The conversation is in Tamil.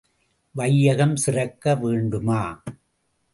வையகம் சிறக்க வேண்டுமா?